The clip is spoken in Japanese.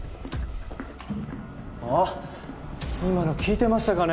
あっ今の聞いてましたかね？